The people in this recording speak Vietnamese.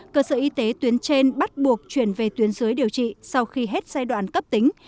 cơ sở y tế tuyến trên bắt buộc chuyển về tuyến dưới điều trị sau khi hết giai đoạn cấp tính